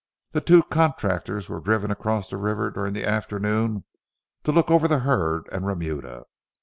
The two contractors were driven across the river during the afternoon to look over the herd and remuda.